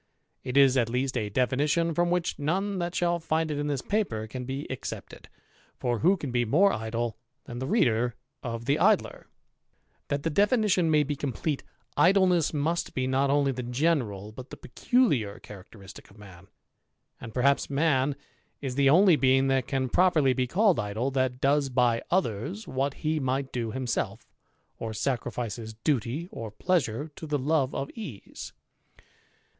It is at least a definition from which none that shall ^d it in this paper can be excepted ; for who can be more ^tile than the reader of the Idler 1 That the definition may be complete, idleness must be llot only the general but tlie peculiar characteristic of man \ ^xA perhaps man is the only being that can properly be Called idle, that does by others what he might do himself, or sacrifices duty or pleasure to the love of ease.